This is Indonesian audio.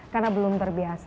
karena belum terbiasa